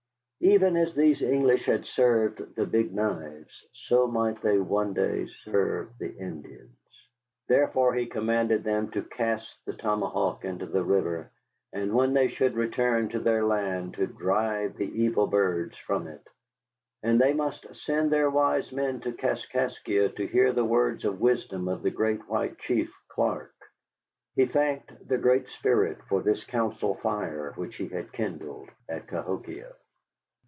Even as these English had served the Big Knives, so might they one day serve the Indians. Therefore he commanded them to cast the tomahawk into the river, and when they should return to their land to drive the evil birds from it. And they must send their wise men to Kaskaskia to hear the words of wisdom of the Great White Chief, Clark. He thanked the Great Spirit for this council fire which He had kindled at Cahokia.